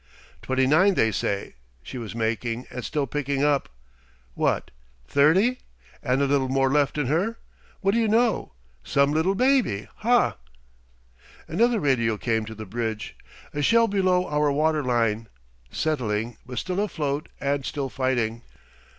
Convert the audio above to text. Twenty nine, they say, she was making, and still picking up. What! Thirty? And a little more left in her? What d'y' know some little baby, hah? Another radio came to the bridge: "A shell below our water line. Settling, but still afloat and still fighting."